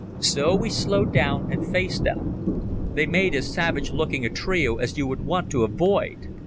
So we slowed down and faced them. They made as savage looking a trio as you would want to avoid.